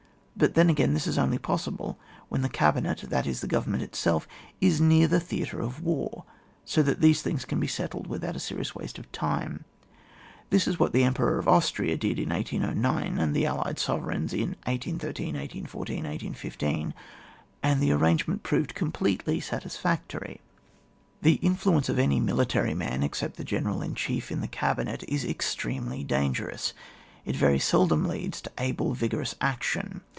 But then again, this is only possible when thecabinet, that is the government itself, is near the thea tre of war, so that things can be settled without a serious waste of time. This is what the Emperor of Austria did in 1809, and the allied sovereigns in 1813, 1814, 1815, and the arrangement proved completely satisfactory. The influence of any militaiy man except the General in Chief in the cabinet, is extremely dangerous ; it very seldom leads to able vigorous action.